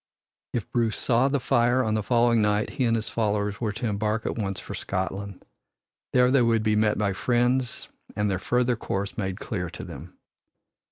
If Bruce saw the fire on the following night he and his followers were to embark at once for Scotland. There they would be met by friends and their further course made clear to them.